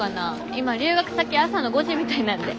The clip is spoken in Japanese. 今留学先朝の５時みたいなんで。